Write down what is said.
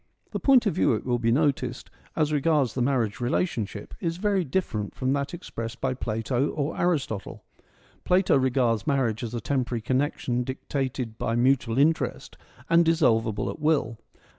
The point of view, it will be noticed, as regards the marriage relationship, is very different from that expressed by Plato or Aristotle. Plato regards marriage as a temporary connection dictated by mutual interest and dissolvable at will.